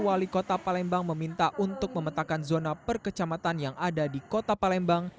wali kota palembang meminta untuk memetakan zona perkecamatan yang ada di kota palembang